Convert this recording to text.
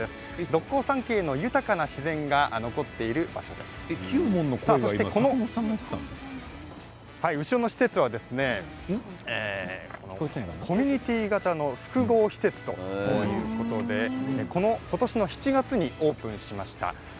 六甲山系に豊かな自然がきよもんの声は後ろの施設はコミュニティー型の複合施設ということで今年の７月にオープンしました。